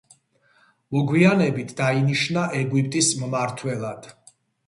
მოგვიანებით დაინიშნა ეგვიპტის მმართველად.